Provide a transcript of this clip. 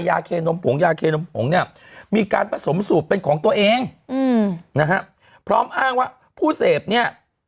เคนมผงยาเคนมผงเนี่ยมีการผสมสูบเป็นของตัวเองอืมนะฮะพร้อมอ้างว่าผู้เสพเนี่ย